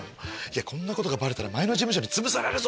いやこんなことがバレたら前の事務所につぶされるぞ。